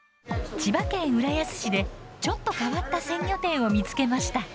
千葉県浦安市でちょっと変わった鮮魚店を見つけました。